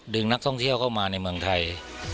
นักท่องเที่ยวเข้ามาในเมืองไทย